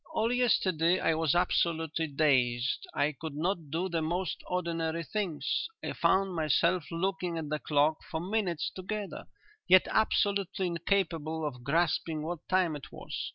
All yesterday I was absolutely dazed; I could not do the most ordinary things. I found myself looking at the clock for minutes together, yet absolutely incapable of grasping what time it was.